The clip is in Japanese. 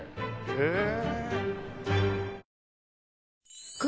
へえ。